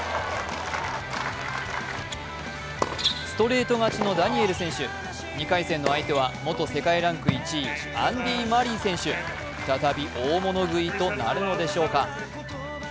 ストレート勝ちのダニエル選手、２回戦の相手は、元世界ランク１位、アンディー・マリー選手。再び大物食いとなるのでしょうか。